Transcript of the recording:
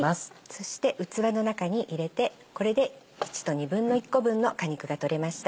そして器の中に入れてこれで１と１／２個分の果肉が取れました。